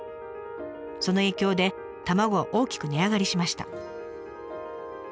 その影響で卵は大きく値上がりしました。